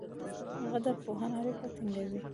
قدرپوهنه اړیکې ټینګوي.